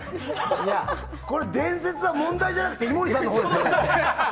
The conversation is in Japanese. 伝説は問題じゃなくて井森さんのほうですね。